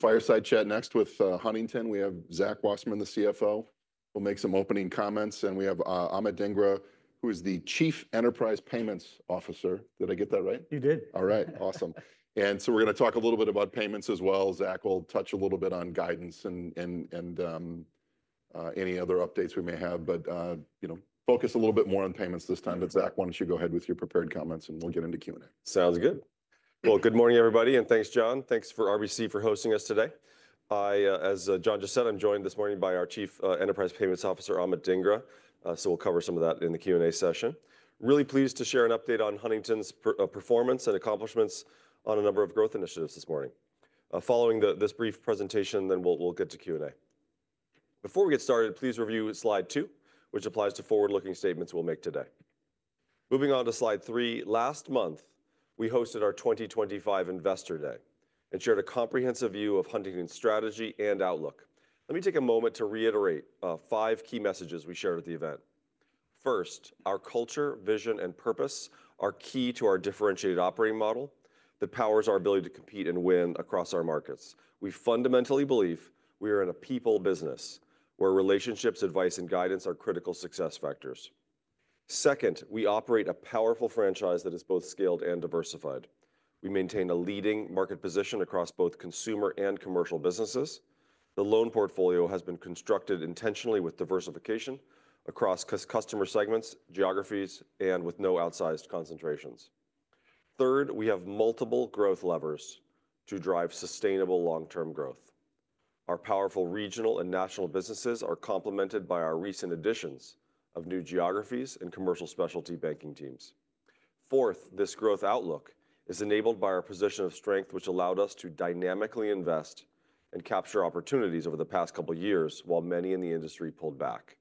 Fireside chat next with Huntington. We have Zach Wasserman, the CFO, who'll make some opening comments and we have Amit Dhingra, who is the Chief Enterprise Payments Officer. Did I get that right? You did. All right, awesome. We're going to talk a little bit about payments as well. Zach will touch a little bit on guidance and any other updates we may have, but focus a little bit more on payments this time. Zach, why don't you go ahead with your prepared comments, and we'll get into Q and A? Sounds good. Good morning, everybody. Thanks, John. Thanks for RBC for hosting us today. As John just said, I'm joined this morning by our Chief Enterprise Payments Officer, Amit Dhingra. We'll cover some of that in the Q&A session. Really pleased to share an update on Huntington's performance and accomplishments on a number of growth initiatives this morning. Following this brief presentation, then we'll get to Q&A. Before we get started, please review slide two, which applies to forward-looking statements we'll make today. Moving on to slide three, last month we hosted our 2025 Investor Day and shared a comprehensive view of Huntington's strategy and outlook. Let me take a moment to reiterate five key messages we shared at the event. First, our culture, vision, and purpose are key to our differentiated operating model that powers our ability to compete and win across our markets. We fundamentally believe we are in a people business where relationships, advice, and guidance are critical success factors. Second, we operate a powerful franchise that is both scaled and diversified. We maintain a leading market position across both consumer and commercial businesses. The loan portfolio has been constructed intentionally with diversification across customer segments, geographies, and with no outsized concentrations. Third, we have multiple growth levers to drive sustainable long-term growth. Our powerful regional and national businesses are complemented by our recent additions of new geographies and commercial specialty banking teams. Fourth, this growth outlook is enabled by our position of strength, which allowed us to dynamically invest and capture opportunities over the past couple of years, while many in the industry pulled back.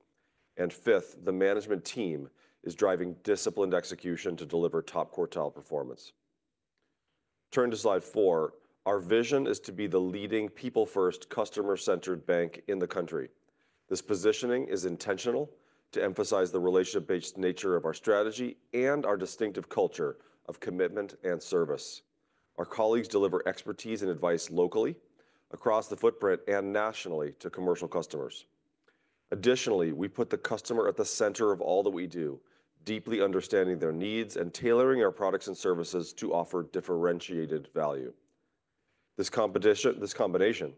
Fifth, the management team is driving disciplined execution to deliver top-quartile performance. Turn to slide four. Our vision is to be the leading people-first, customer-centered bank in the country. This positioning is intentional, to emphasize the relationship-based nature of our strategy and our distinctive culture of commitment and service. Our colleagues deliver expertise and advice locally, across the footprint, and nationally to commercial customers. Additionally, we put the customer at the center of all that we do, deeply understanding their needs and tailoring our products and services to offer differentiated value. This combination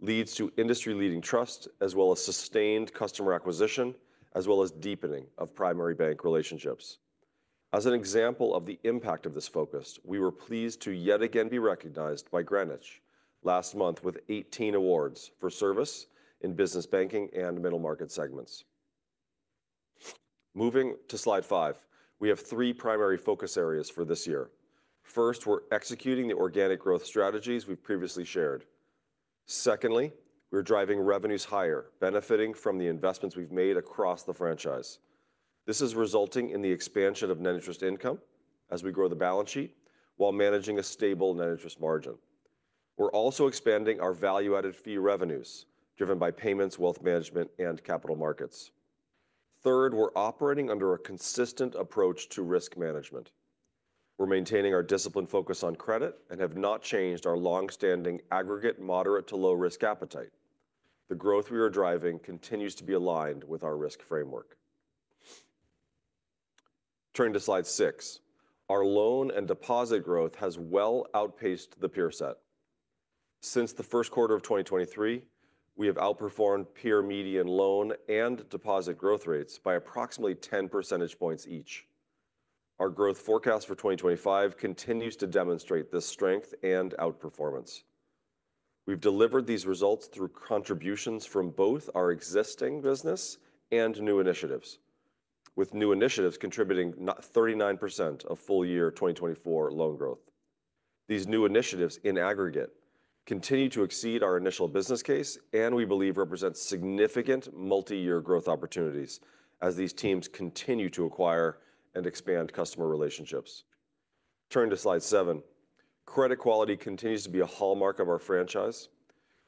leads to industry-leading trust as well as sustained customer acquisition, as well as deepening of primary bank relationships. As an example of the impact of this focus, we were pleased to yet again be recognized by Greenwich last month, with 18 awards for service in business banking and middle market segments. Moving to slide five, we have three primary focus areas for this year. First, we're executing the organic growth strategies we've previously shared. Secondly, we're driving revenues higher, benefiting from the investments we've made across the franchise. This is resulting in the expansion of net interest income as we grow the balance sheet, while managing a stable net interest margin. We're also expanding our value-added fee revenues, driven by payments, wealth management, and capital markets. Third, we're operating under a consistent approach to risk management. We're maintaining our disciplined focus on credit, and have not changed our long-standing aggregate moderate to low-risk appetite. The growth we are driving continues to be aligned with our risk framework. Turning to slide six, our loan and deposit growth has well outpaced the peer set. Since the first quarter of 2023, we have outperformed peer median loan and deposit growth rates by approximately 10 percentage points each. Our growth forecast for 2025 continues to demonstrate this strength and outperformance. We've delivered these results through contributions from both our existing business and new initiatives, with new initiatives contributing now 39% of full-year 2024 loan growth. These new initiatives in aggregate continue to exceed our initial business case, and we believe represent significant multi-year growth opportunities, as these teams continue to acquire and expand customer relationships. Turning to slide seven, credit quality continues to be a hallmark of our franchise.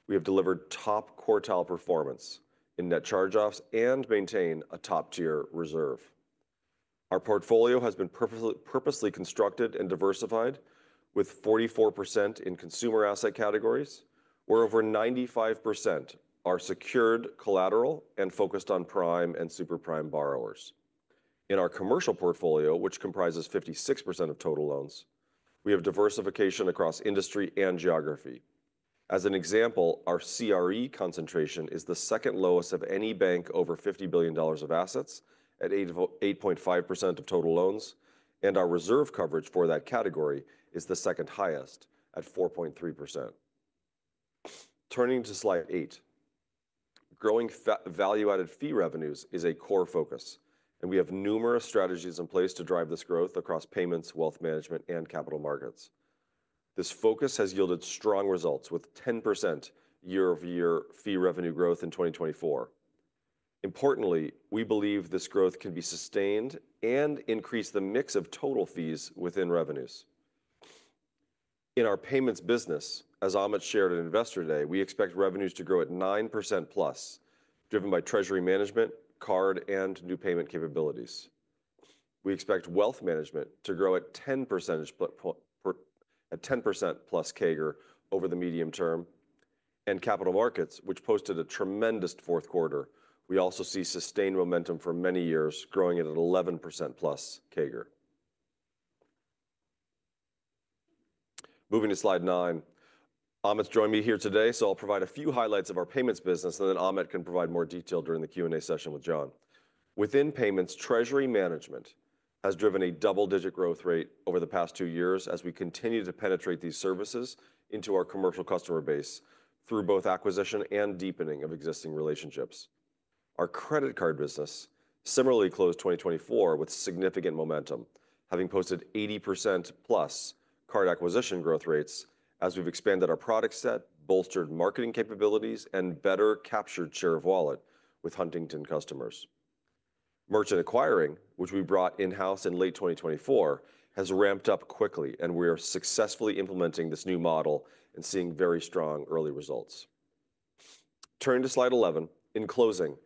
We have delivered top-quartile performance in net charge-offs and maintain a top-tier reserve. Our portfolio has been purposely constructed and diversified, with 44% in consumer asset categories, where over 95% are secured collateral and focused on prime and superprime borrowers. In our commercial portfolio, which comprises 56% of total loans, we have diversification across industry and geography. As an example, our CRE concentration is the second lowest of any bank over $50 billion of assets, at 8.5% of total loans, and our reserve coverage for that category is the second highest at 4.3%. Turning to slide eight, growing value-added fee revenues is a core focus, and we have numerous strategies in place to drive this growth across payments, wealth management, and capital markets. This focus has yielded strong results with 10% year-over-year fee revenue growth in 2024. Importantly, we believe this growth can be sustained and increase the mix of total fees within revenues. In our payments business, as Amit shared at Investor Day, we expect revenues to grow at 9%+, driven by treasury management, card, and new payment capabilities. We expect wealth management to grow at 10%+ CAGR over the medium term, and capital markets, which posted a tremendous fourth quarter. We also see sustained momentum for many years, growing at 11%+ CAGR. Moving to slide nine, Amit's joined me here today, so I'll provide a few highlights of our payments business and then Amit can provide more detail during the Q&A session with John. Within payments, treasury management has driven a double-digit growth rate over the past two years, as we continue to penetrate these services into our commercial customer base through both acquisition and deepening of existing relationships. Our credit card business similarly closed 2024 with significant momentum, having posted 80%+ card acquisition growth rates, as we've expanded our product set, bolstered marketing capabilities, and better captured share of wallet with Huntington customers. Merchant Acquiring, which we brought in-house in late 2024, has ramped up quickly, and we are successfully implementing this new model and seeing very strong early results. Turning to slide 11, in closing,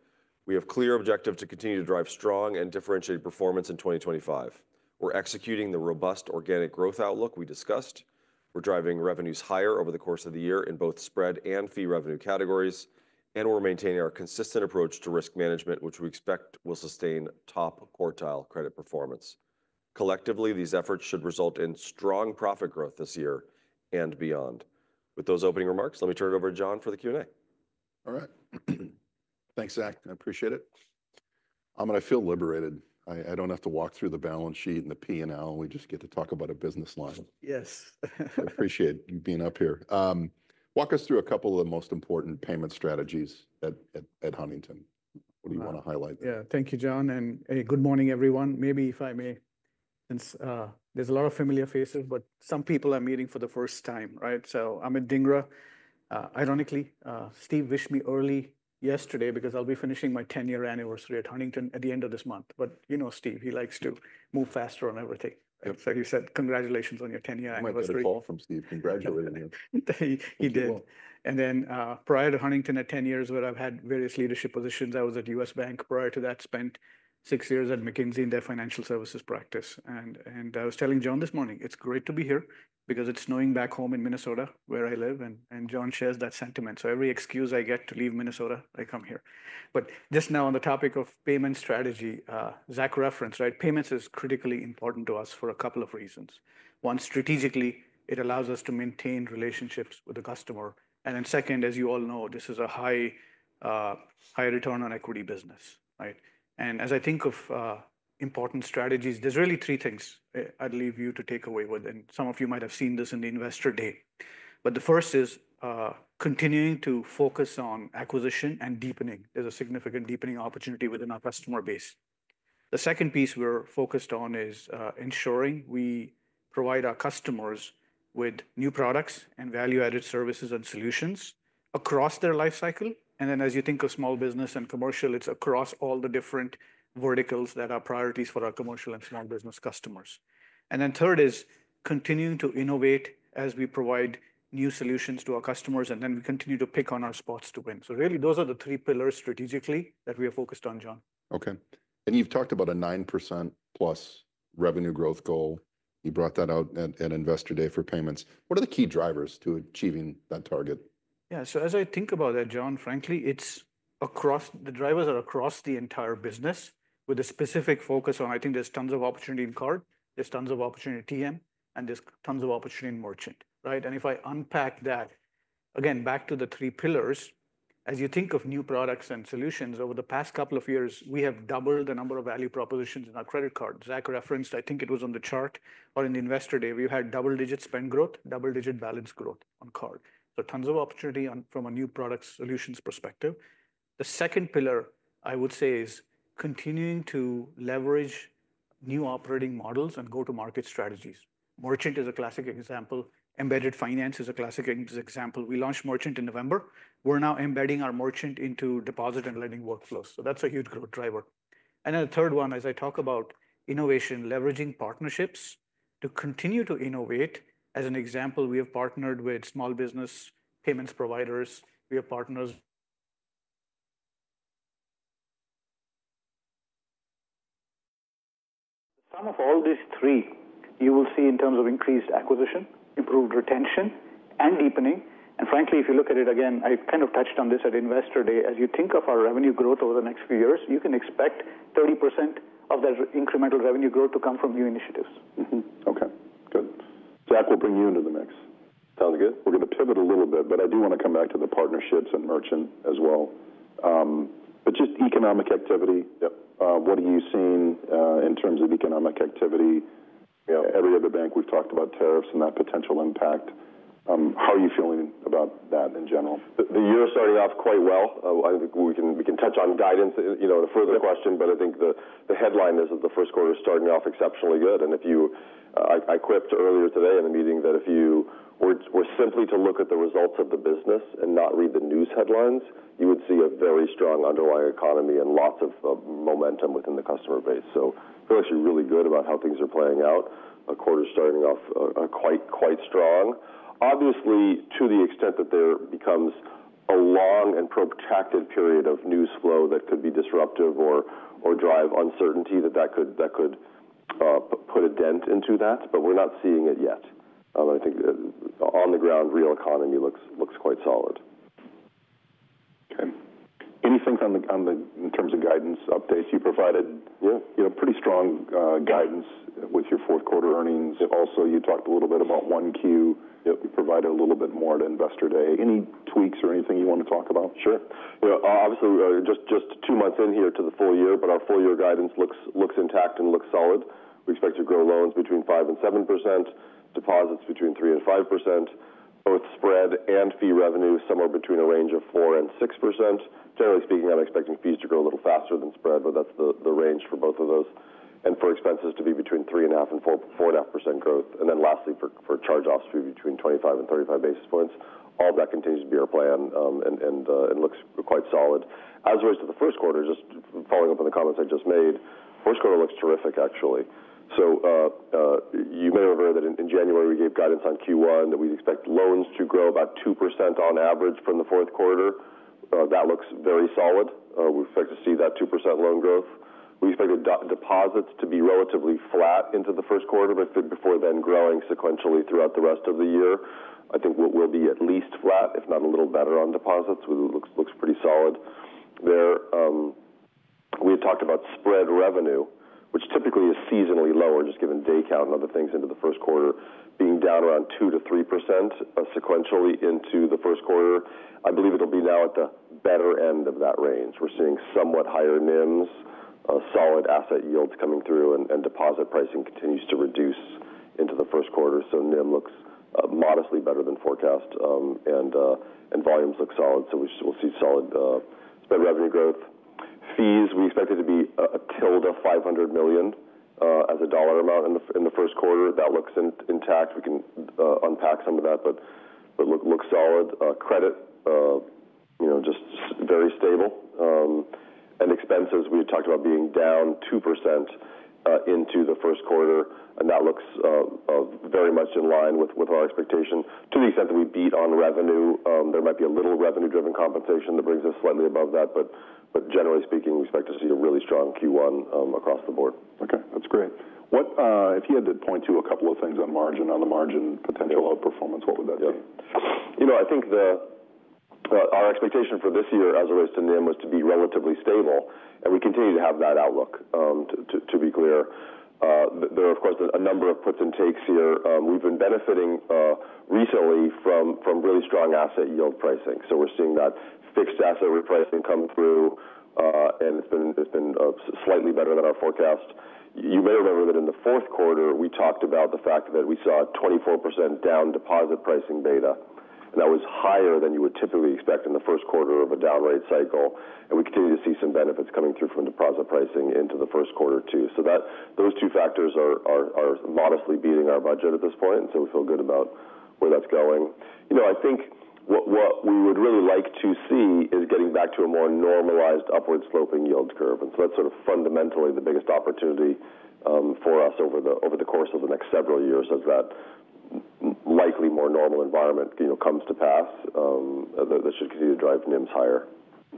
we have clear objectives to continue to drive strong and differentiated performance in 2025. We're executing the robust organic growth outlook we discussed. We're driving revenues higher over the course of the year in both spread and fee revenue categories, and we're maintaining our consistent approach to risk management, which we expect will sustain top quartile credit performance. Collectively, these efforts should result in strong profit growth this year and beyond. With those opening remarks, let me turn it over to John for the Q&A. All right. Thanks, Zach. I appreciate it. I'm going to feel liberated. I don't have to walk through the balance sheet and the P&L. We just get to talk about a business model. Yes. I appreciate you being up here. Walk us through a couple of the most important payment strategies at Huntington. What do you want to highlight? Yeah. Thank you, John. Good morning, everyone. Maybe if I may, there's a lot of familiar faces, but some people are meeting for the first time, right? Amit Dhingra, ironically, Steve wished me early yesterday because I'll be finishing my 10-year anniversary at Huntington at the end of this month, but you know Steve, he likes to move faster on everything. He said, "Congratulations on your 10-year anniversary." I heard the call from Steve congratulating you. He did. Prior to Huntington at 10 years, where I've had various leadership positions, I was at U.S. Bank. Prior to that, I spent six years at McKinsey in their financial services practice. I was telling John this morning, "It's great to be here because it's snowing back home in Minnesota where I live," and John shares that sentiment. Every excuse I get to leave Minnesota, I come here. Just now on the topic of payment strategy, Zach referenced, right? Payments is critically important to us for a couple of reasons. One, strategically, it allows us to maintain relationships with the customer, and then second, as you all know, this is a high return on equity business. As I think of important strategies, there's really three things I'd leave you to take away with. Some of you might have seen this in the Investor Day. The first is continuing to focus on acquisition and deepening. There's a significant deepening opportunity within our customer base. The second piece we're focused on is ensuring we provide our customers with new products, and value-added services and solutions across their lifecycle. As you think of small business and commercial, it's across all the different verticals that are priorities for our commercial and small business customers. Third is continuing to innovate as we provide new solutions to our customers, and then we continue to pick our spots to win. Really, those are the three pillars strategically that we are focused on, John. Okay, and you've talked about a 9%+ revenue growth goal. You brought that out at Investor Day for payments. What are the key drivers to achieving that target? Yeah. As I think about that, John, frankly it's, the drivers are across the entire business, with a specific focus on, I think there's tons of opportunity in card, there's tons of opportunity in TM, and there's tons of opportunity in merchant, right? If I unpack that again, back to the three pillars, as you think of new products and solutions, over the past couple of years, we have doubled the number of value propositions in our credit card. Zach referenced, I think it was on the chart or in the Investor Day, we had double-digit spend growth, double-digit balance growth on card, so tons of opportunity on from a new product solutions perspective. The second pillar, I would say is continuing to leverage new operating models and go-to-market strategies. Merchant is a classic example. Embedded finance is a classic example. We launched merchant in November. We're now embedding our merchant into deposit and lending workflows, so that's a huge growth driver. The third one, as I talk about innovation, leveraging partnerships to continue to innovate. As an example, we have partnered with small business payments providers. We have partners. Some of all these three, you will see in terms of increased acquisition, improved retention, and deepening. Frankly, if you look at it again, I kind of touched on this at Investor Day, as you think of our revenue growth over the next few years, you can expect 30% of that incremental revenue growth to come from new initiatives. Okay, Good. Zach will bring you into the mix. Sounds good. We're going to pivot a little bit, but I do want to come back to the partnerships and merchant as well, but just economic activity. Yep, what are you seeing in terms of economic activity? Every other bank we've talked about tariffs and that potential impact. How are you feeling about that in general? The year is starting off quite well. I think we can touch on guidance, the further question, but I think the headline is that the first quarter is starting off exceptionally good. I quipped earlier today in the meeting that if you were simply to look at the results of the business and not read the news headlines, you would see a very strong underlying economy and lots of momentum within the customer base, so feel actually really good about how things are playing out. A quarter starting off quite strong. Obviously, to the extent that there becomes a long and protracted period of news flow that could be disruptive or drive uncertainty, that could put a dent into that, but we're not seeing it yet. I think on the ground, real economy looks quite solid. Okay. Anything in terms of guidance updates you provided? Yeah, pretty strong guidance with your fourth quarter earnings. Also, you talked a little bit about 1Q. Yep. You provided a little bit more at Investor Day. Any tweaks or anything you want to talk about? Sure. Obviously, just two months in here to the full year, but our full year guidance looks intact and looks solid. We expect to grow loans between 5% and 7%, deposits between 3% and 5%, both spread and fee revenue somewhere between a range of 4% and 6%. Generally speaking, I'm expecting fees to grow a little faster than spread, but that's the range for both of those and for expenses to be between 3.5% and 4.5% growth and then lastly for charge-offs to be between 25 and 35 basis points. All of that continues to be our plan, and looks quite solid. As it relates to the first quarter, just following up on the comments I just made, first quarter looks terrific actually. You may have heard that in January, we gave guidance on Q1 that we'd expect loans to grow about 2% on average from the fourth quarter. That looks very solid. We expect to see that 2% loan growth. We expected deposits to be relatively flat into the first quarter, but before then, growing sequentially throughout the rest of the year. I think what will be at least flat, if not a little better on deposits, looks pretty solid there. We had talked about spread revenue, which typically is seasonally lower, just given day count and other things into the first quarter being down around 2%-3%, sequentially into the first quarter. I believe it'll be now at the better end of that range. We're seeing somewhat higher NIMs, solid asset yields coming through, and deposit pricing continues to reduce into the first quarter. NIM looks modestly better than forecast, and volumes look solid. We'll see solid spread revenue growth. Fees, we expect it to be $500 million, as a dollar amount in the first quarter. That looks intact. We can unpack some of that, but looks solid. Credit, just very stable. Expenses, we talked about being down 2% into the first quarter, and that looks very much in line with our expectation. To the extent that we beat on revenue, there might be a little revenue-driven compensation that brings us slightly above that, but generally speaking, we expect to see a really strong Q1 across the board. Okay, that's great. If you had to point to a couple of things on the margin potential outperformance, what would that be? Yeah. I think our expectation for this year as it relates to NIM was to be relatively stable, and we continue to have that outlook. To be clear, there are of course a number of puts and takes here. We've been benefiting recently from really strong asset yield pricing. We're seeing that fixed asset repricing come through, and it's been slightly better than our forecast. You may remember that in the fourth quarter, we talked about the fact that we saw a 24% down deposit pricing beta and that was higher than you would typically expect in the first quarter of a down rate cycle. We continue to see some benefits coming through from deposit pricing into the first quarter too, so those two factors are modestly beating our budget at this point. We feel good about where that's going. I think what we would really like to see is getting back to a more normalized upward-sloping yield curve. That's sort of fundamentally the biggest opportunity for us over the course of the next several years. As that likely more normal environment comes to pass, that should continue to drive NIMs higher.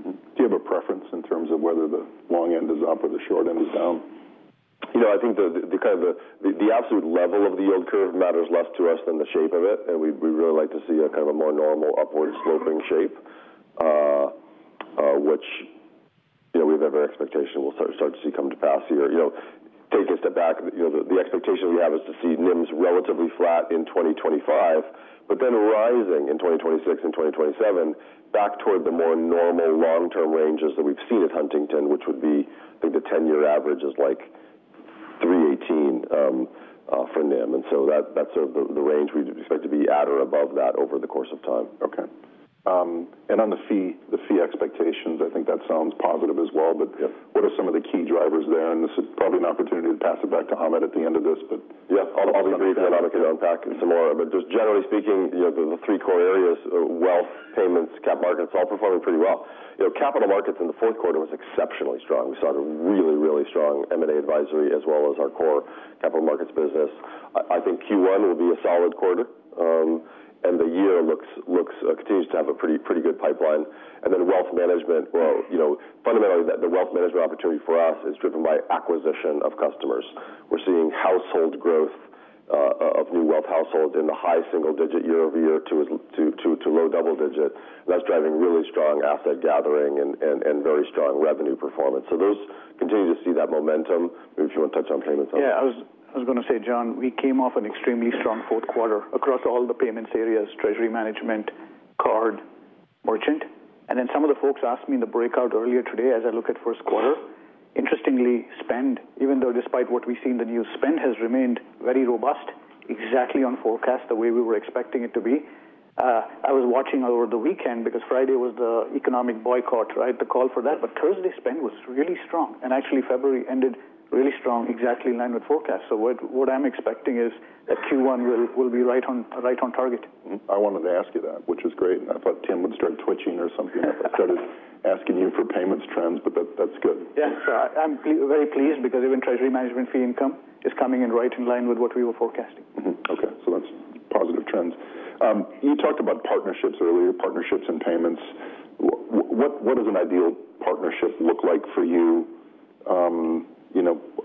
Do you have a preference in terms of whether the long end is up or the short end is down? I think the absolute level of the yield curve matters less to us than the shape of it, and we really like to see a more normal upward sloping shape, which we have every expectation we'll start to see come to pass here. Take a step back. The expectation we have is to see NIMs relatively flat in 2025, but then rising in 2026 and 2027 back toward the more normal long-term ranges that we've seen at Huntington, which would be, I think the 10-year average is like 318 for NIM. That's the range we'd expect to be at or above that over the course of time. Okay. On the fee expectations, I think that sounds positive as well. What are some of the key drivers there? This is probably an opportunity to pass it back to Amit at the end of this, but. Yeah. unpack some more. Just generally speaking, the three core areas, wealth, payments, capital markets, all performing pretty well. Capital markets in the fourth quarter was exceptionally strong. We saw a really strong M&A advisory, as well as our core capital markets business. I think Q1 will be a solid quarter, and the year continues to have a pretty good pipeline. Fundamentally, the wealth management opportunity for us is driven by acquisition of customers. We're seeing household growth of new wealth households in the high single-digit year-over-year to low double digit. That's driving really strong asset gathering and very strong revenue performance. Those continue to see that momentum. Maybe if you want to touch on payments, Amit. Yeah. I was going to say, John, we came off an extremely strong fourth quarter across all the payments areas, treasury management, card, merchant. Some of the folks asked me in the breakout earlier today, as I look at first quarter, interestingly spend, despite what we see in the news, spend has remained very robust, exactly on forecast the way we were expecting it to be. I was watching over the weekend, because Friday was the economic boycott, the call for that, but Thursday's spend was really strong. Actually, February ended really strong, exactly in line with forecast, so what I'm expecting is that Q1 will be right on target. I wanted to ask you that, which is great, and I thought Tim would start twitching or something after I started asking you for payments trends, but that's good. Yeah. I'm very pleased because even treasury management fee income is coming in right in line with what we were forecasting. Okay, so that's positive trends. You talked about partnerships earlier, partnerships and payments. What does an ideal partnership look like for you?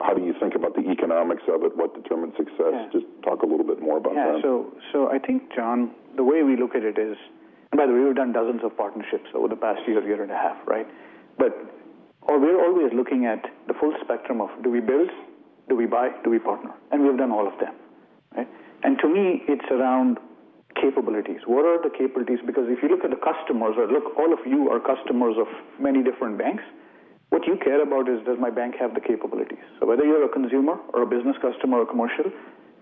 How do you think about the economics of it? What determines success? Just talk a little bit more about that. Yeah. I think, John, and by the way, we've done dozens of partnerships over the past year, year and a half, right? We're always looking at the full spectrum of, do we build, do we buy, do we partner? We've done all of them, right? To me, it's around capabilities. What are the capabilities? If you look at the customers or look, all of you are customers of many different banks, what you care about is, does my bank have the capabilities? Whether you're a consumer or a business customer or a commercial,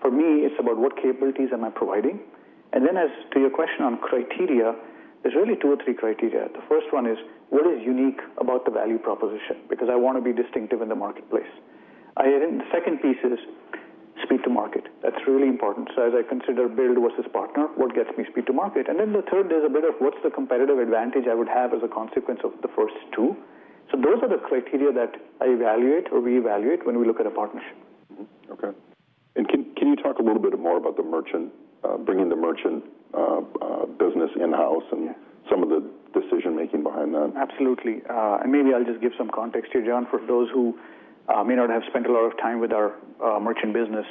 for me, it's about, what capabilities am I providing? To your question on criteria, there's really two or three criteria. The first one is, what is unique about the value proposition? I want to be distinctive in the marketplace. I think the second piece is speed to market. That's really important. As I consider build versus partner, what gets me speed to market? The third is a bit of, what's the competitive advantage I would have as a consequence of the first two? Those are the criteria that I evaluate or reevaluate when we look at a partnership. Okay. Can you talk a little bit more about, bringing the merchant business in-house and some of the decision-making behind that? Absolutely. Maybe I'll just give some context here, John, for those who may not have spent a lot of time with our merchant business.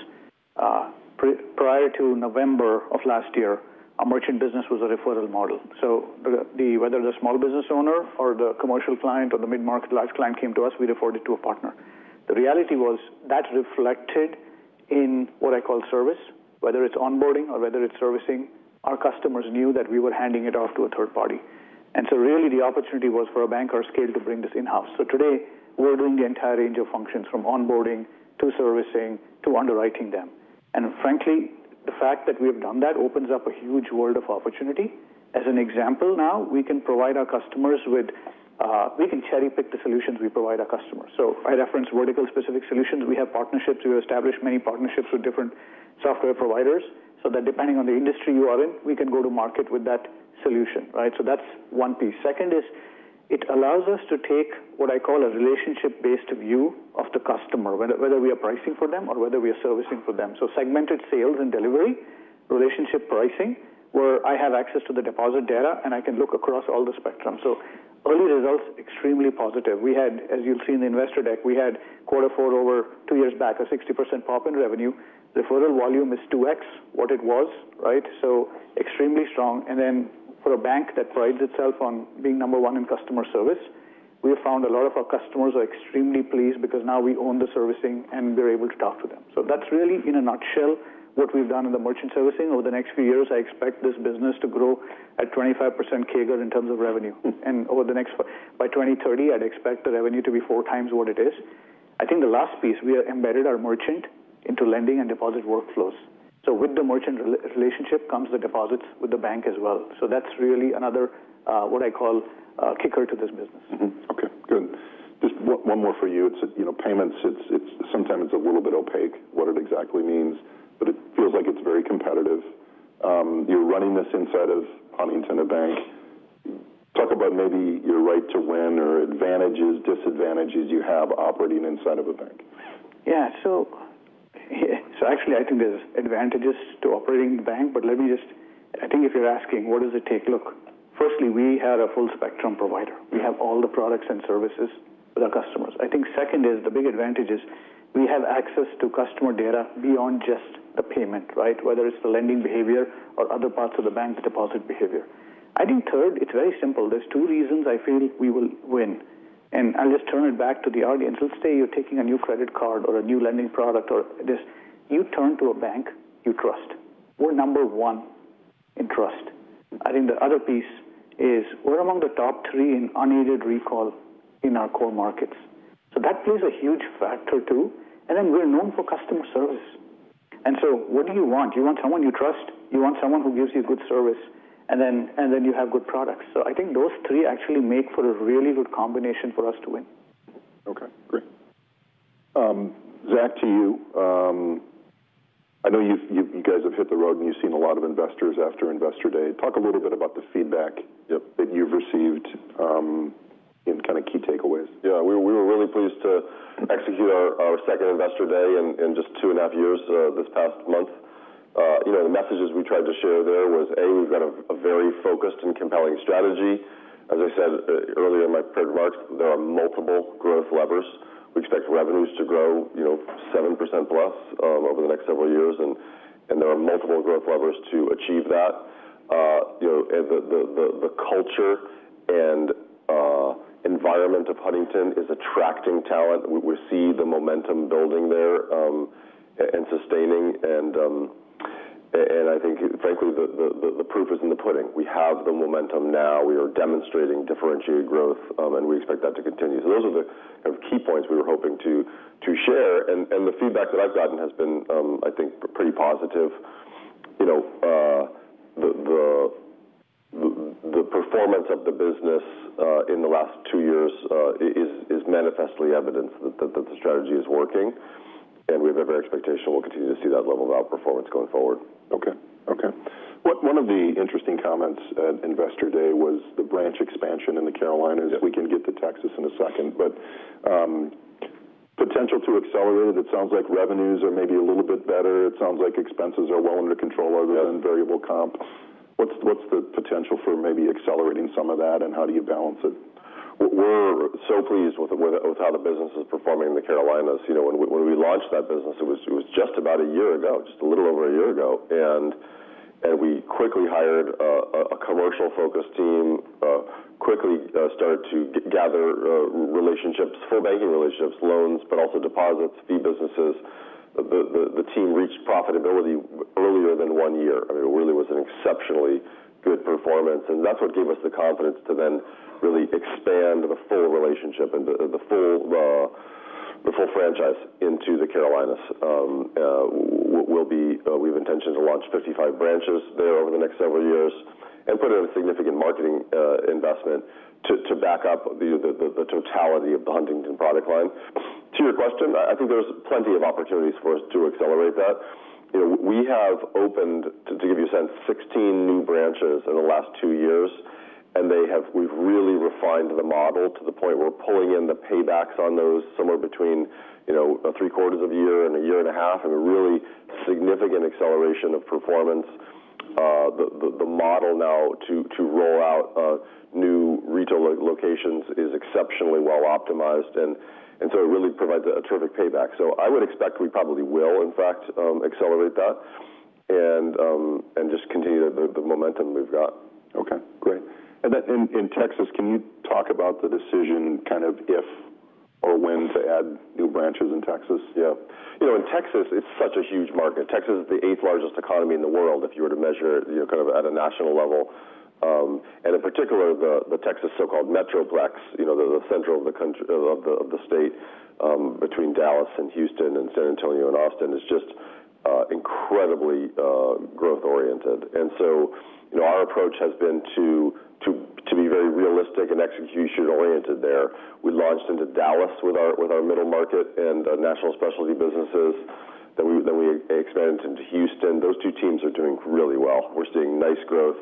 Prior to November of last year, our merchant business was a referral model. Whether the small business owner or the commercial client, or the mid-market large client came to us, we referred it to a partner. The reality was, that reflected in what I call service, whether it's onboarding or whether it's servicing. Our customers knew that we were handing it off to a third party. Really, the opportunity was for a bank of scale to bring this in-house. Today, we're doing the entire range of functions, from onboarding to servicing to underwriting them. Frankly, the fact that we have done that opens up a huge world of opportunity. As an example, now we can cherry-pick the solutions we provide our customers. I reference vertical-specific solutions. We have partnerships. We've established many partnerships with different software providers, so that depending on the industry you are in, we can go to market with that solution, right? That's one piece. Second is, it allows us to take what I call a relationship-based view of the customer, whether we are pricing for them or whether we are servicing for them. Segmented sales and delivery, relationship pricing, where I have access to the deposit data and I can look across all the spectrum. Early results, extremely positive. As you'll see in the investor deck, we had quarter four over two years back, a 60% pop in revenue. Referral volume is 2x what it was, so extremely strong. For a bank that prides itself on being number one in customer service, we have found a lot of our customers are extremely pleased because now we own the servicing and we're able to talk to them. That's really in a nutshell, what we've done in the merchant servicing. Over the next few years, I expect this business to grow at 25% CAGR in terms of revenue. By 2030, I'd expect the revenue to be 4x what it is. I think the last piece, we have embedded our merchant into lending and deposit workflows. With the merchant relationship comes the deposits with the bank as well, so that's really another, what I call kicker to this business. Okay, good. Just one more for you. It's payments., i's sometimes a little bit opaque what it exactly means, but it feels like it's very competitive. You're running this inside of Huntington Bank. Talk about maybe your right to win or advantages, disadvantages you have operating inside of a bank. Yeah, so actually. I think there's advantages to operating the bank. I think if you're asking, what does it take? Look, firstly, we had a full spectrum provider. We have all the products and services with our customers. I think second is the big advantage is, we have access to customer data beyond just the payment, right? Whether it's the lending behavior or other parts of the bank, the deposit behavior. I think third, it's very simple, there's two reasons I feel we will win. I'll just turn it back to the audience. Let's say you're taking a new credit card or a new lending product or this, you turn to a bank you trust. We're number one in trust. I think the other piece is, we're among the top three in unaided recall in our core markets. That plays a huge factor too, and then we're known for customer service. What do you want? You want someone you trust. You want someone who gives you good service, and then you have good products. I think those three actually make for a really good combination for us to win. Okay, great. Zach, to you. I know you guys have hit the road and you've seen a lot of investors after Investor Day. Talk a little bit about the feedback that you've received, in kind of key takeaways. Yeah. We were really pleased to execute our second Investor Day in just two and a half years this past month. The messages we tried to share there was, A, we've got a very focused and compelling strategy. As I said earlier in my prepared remarks, there are multiple growth levers. We expect revenues to grow 7%+ over the next several years. There are multiple growth levers to achieve that, and the culture and environment of Huntington is attracting talent. We see the momentum building there and sustaining. I think frankly the proof is in the pudding. We have the momentum now. We are demonstrating differentiated growth, and we expect that to continue. Those are the kind of key points we were hoping to share. The feedback that I've gotten has been I think pretty positive. The performance of the business in the last two years is manifest evidence that the strategy is working. We have every expectation we'll continue to see that level of outperformance going forward. Okay. One of the interesting comments at Investor Day was the branch expansion in the Carolinas. We can get to Texas in a second, but potential to accelerate it. It sounds like revenues are maybe a little bit better. It sounds like expenses are well under control, other than variable comp. What's the potential for maybe accelerating some of that, and how do you balance it? We're so pleased with how the business is performing in the Carolinas. YWhen we launched that business, it was just a little over a year ago. We quickly hired a commercial-focused team, quickly started to gather relationships, full banking relationships, loans, but also deposits, fee businesses. The team reached profitability earlier than one year. It really was an exceptionally good performance. That's what gave us the confidence to then really expand the full relationship and the full franchise into the Carolinas. We have intention to launch 55 branches there over the next several years, and put in a significant marketing investment to back up the totality of the Huntington product line. To your question, I think there's plenty of opportunities for us to accelerate that. We have opened, to give you a sense, 16 new branches in the last two years. We've really refined the model to the point we're pulling in the paybacks on those somewhere between three quarters of a year and a year and a half, and a really significant acceleration of performance. The model now to roll out new retail locations is exceptionally well optimized, and so it really provides a terrific payback. I would expect we probably will in fact accelerate that, and just continue the momentum we've got. Okay, great. In Texas, can you talk about the decision, kind of if or when to add new branches in Texas? Yeah. In Texas, it's such a huge market. Texas is the eighth largest economy in the world, if you were to measure at a national level. In particular, the Texas so-called metroplex, the central of the state, between Dallas and Houston and San Antonio and Austin is just incredibly growth-oriented. Our approach has been to be very realistic and execution-oriented there. We launched into Dallas with our middle market and national specialty businesses. We expanded into Houston. Those two teams are doing really well. We're seeing nice growth,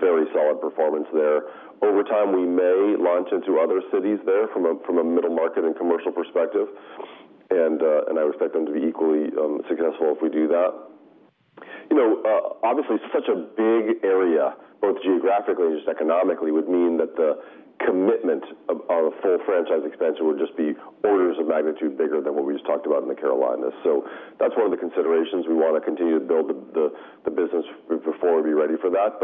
very solid performance there. Over time, we may launch into other cities there from a middle market and commercial perspective. I would expect them to be equally successful if we do that. Obviously, such a big area both geographically and just economically, would mean that the commitment of a full franchise expansion would just be orders of magnitude bigger than what we just talked about in the Carolinas. That's one of the considerations. We want to continue to build the business before we're ready for that.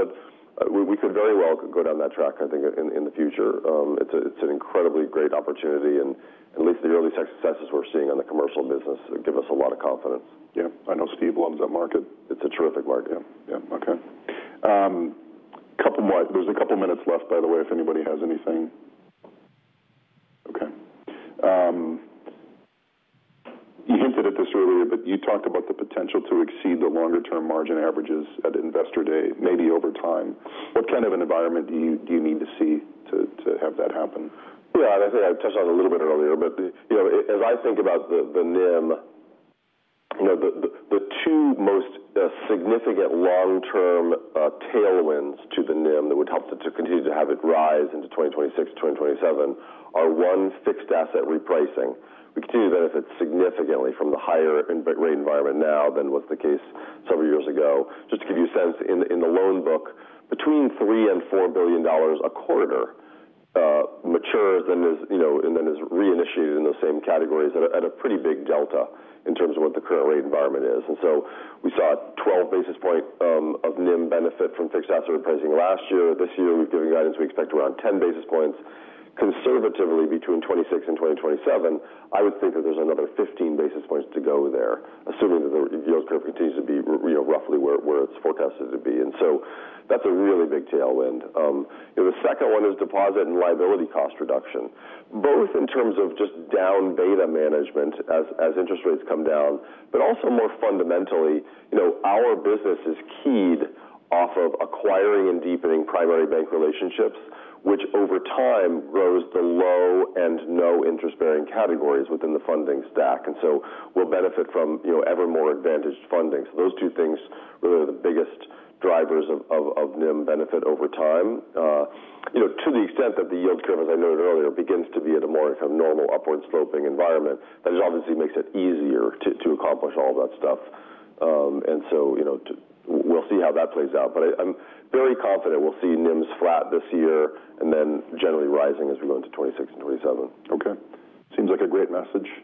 We could very well go down that track I think in the future. It's an incredibly great opportunity. At least the early successes we're seeing on the commercial business give us a lot of confidence. Yeah. I know Steve loves that market. It's a terrific market. Yeah, okay. There's a couple minutes left by the way, if anybody has anything. Okay, you hinted at this earlier, but you talked about the potential to exceed the longer-term margin averages at Investor Day, maybe over time. What kind of an environment do you need to see to have that happen? Yeah. I think I touched on it a little bit earlier, but as I think about the NIM, you the two most significant long-term tailwinds to the NIM that would help to continue to have it rise into 2026, 2027 are one, fixed asset repricing. We continue to benefit significantly from the higher rate environment now than was the case several years ago. Just to give you a sense, in the loan book, between $3 billion and $4 billion a quarter matures and is then reinitiated in those same categories at a pretty big delta in terms of what the current rate environment is. We saw a 12 basis points NIM benefit from fixed asset repricing last year. This year, we've given guidance, we expect around 10 basis points. Conservatively, between 2026 and 2027, I would think that there's another 15 basis points to go there, assuming that the yield curve continues to be roughly where it's forecasted to be. That's a really big tailwind. The second one is deposit and liability cost reduction, both in terms of just down beta management as interest rates come down, but also more fundamentally, our business is keyed off of acquiring and deepening primary bank relationships, which over time grows the low and no-interest-bearing categories within the funding stack. We'll benefit from ever more advantaged funding. Those two things really are the biggest drivers of NIM benefit over time. To the extent that the yield curve, as I noted earlier, begins to be at a more kind of normal upward-sloping environment, that obviously makes it easier to accomplish all of that stuff. We'll see how that plays out. I'm very confident we'll see NIMs flat this year, and then generally rising as we go into 2026 and 2027. Okay. Seems like a great message.